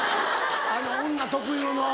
あの女特有の。